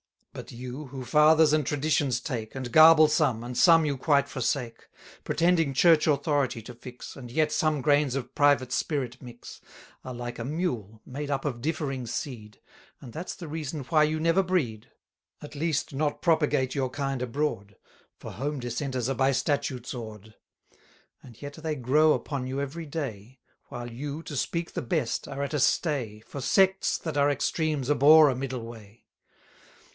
260 But you, who Fathers and Traditions take, And garble some, and some you quite forsake, Pretending Church authority to fix, And yet some grains of private spirit mix, Are like a mule, made up of differing seed, And that's the reason why you never breed; At least not propagate your kind abroad, For home dissenters are by statutes awed. And yet they grow upon you every day, While you, to speak the best, are at a stay, 270 For sects, that are extremes, abhor a middle way.